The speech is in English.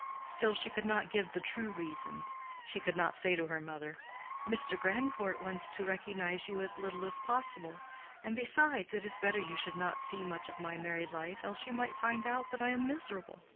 Still, she could not give the true reasons—she could not say to her mother, "Mr. Grandcourt wants to recognize you as little as possible; and besides it is better you should not see much of my married life, else you might find out that I am miserable."